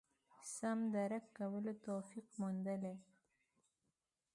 سم درک کولو توفیق موندلي.